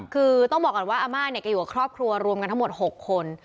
คือต้องบอกกันว่าอม่ากับครอบครัวรวมกันทั้งหมด๖คน